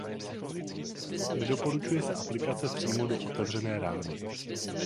Nedoporučuje se aplikace přímo do otevřené rány.